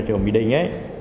ở mỹ đình